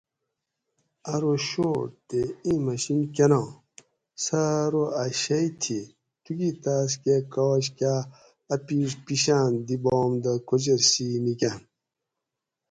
ارو شوٹ تے اِیں مشین کۤناں؟ سہ ارو اۤ شئی تھی ٹوکی تاۤس کہ کاش کاۤ اۤ پیش پِشاۤن دی باۤم دہ کوچور سی نِکاۤنت